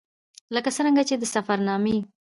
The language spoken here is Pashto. ـ لکه څرنګه چې د سفر نامې